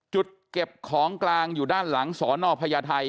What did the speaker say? จุดเก็บของกลางอยู่ด้านหลังสอนอพญาไทย